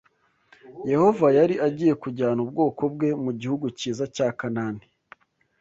Yehova yari agiye kujyana ubwoko bwe mu gihugu cyiza cya Kanani